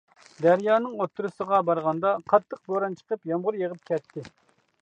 دەريانىڭ ئوتتۇرىسىغا بارغاندا، قاتتىق بوران چىقىپ يامغۇر يېغىپ كەتتى.